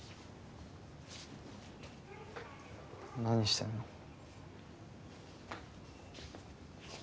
何してんの？